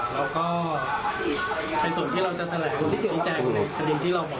แล้วก็เป็นส่วนที่เราจะแสดงพิจารณ์ในคดีที่เราบอกว่า